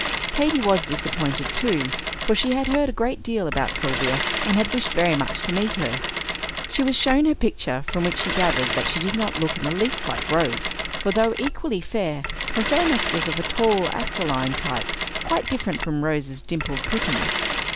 Katy was disappointed, too, for she had heard a great deal about Sylvia and had wished very much to meet her. She was shown her picture, from which she gathered that she did not look in the least like Rose; for though equally fair, her fairness was of the tall aquiline type, quite different from Rose's dimpled prettiness.